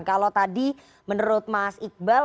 kalau tadi menurut mas iqbal